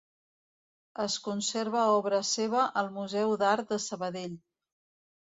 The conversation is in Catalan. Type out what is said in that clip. Es conserva obra seva al Museu d'Art de Sabadell.